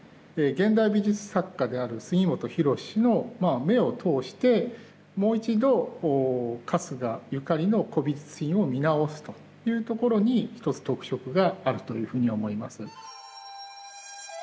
現代美術作家である杉本博司の目を通してもう一度春日ゆかりの古美術品を見直すというところに一つ特色があるというふうに思います。